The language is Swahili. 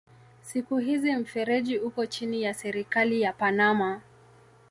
Siku hizi mfereji uko chini ya serikali ya Panama.